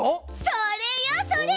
それよそれ！